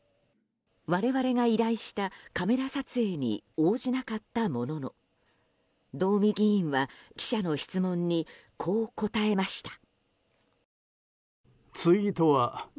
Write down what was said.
我々が依頼したカメラ撮影に応じなかったものの道見議員は、記者の質問にこう答えました。